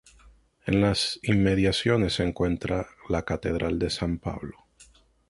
En las inmediaciones se encuentra la Catedral de San Pablo.